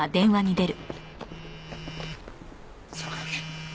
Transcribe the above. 榊。